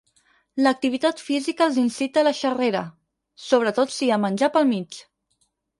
L'activitat física els incita a la xerrera, sobretot si hi ha menjar pel mig.